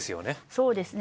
そうですね